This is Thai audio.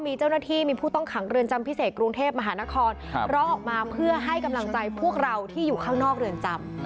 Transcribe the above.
มีเจ้าหน้าที่มีผู้ต้องขังเรือนจำพิเศษกรุงเทพมหานครร้องออกมาเพื่อให้กำลังใจพวกเราที่อยู่ข้างนอกเรือนจำ